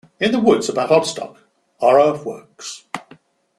In the woods about Odstock are earthworks.